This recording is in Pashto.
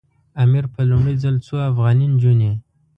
امیر په لومړي ځل څو افغاني نجونې.